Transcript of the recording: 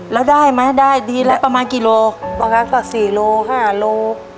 แล้วได้ไหมได้ดีแล้วประมาณกี่โลบางครั้งก็สี่โลห้าโล